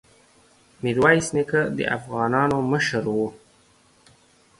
ميرويس نيکه د افغانانو مشر وو.